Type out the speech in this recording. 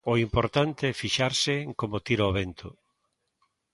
O importante é fixarse en como tira o vento.